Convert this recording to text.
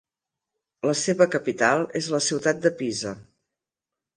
La seva capital és la ciutat de Pisa.